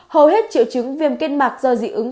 hầu hết triệu chứng viêm mạc do dị ứng